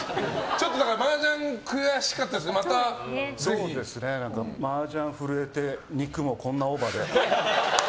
マージャン悔しかったらマージャン震えて肉もこんなオーバーで。